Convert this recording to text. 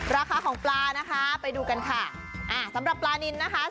ราคาของปลานะคะไปดูกันค่ะอ่าสำหรับปลานินนะคะ